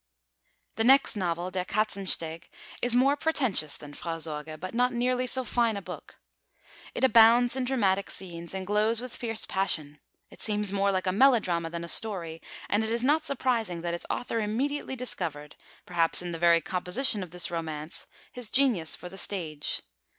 The next novel, Der Katzensteg, is more pretentious than Frau Sorge, but not nearly so fine a book. It abounds in dramatic scenes, and glows with fierce passion. It seems more like a melodrama than a story, and it is not surprising that its author immediately discovered perhaps in the very composition of this romance his genius for the stage.